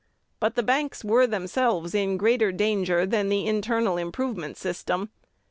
But the banks were themselves in greater danger than the internal improvement system.